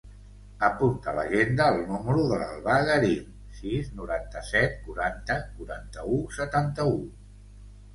Apunta a l'agenda el número de l'Albà Garin: sis, noranta-set, quaranta, quaranta-u, setanta-u.